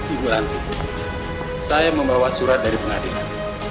ibu ranti saya membawa surat dari pengadilan